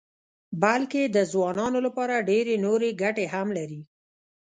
بلکې د ځوانانو لپاره ډېرې نورې ګټې هم لري.